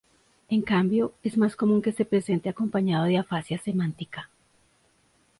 En cambio, es más común que se presente acompañado de afasia semántica.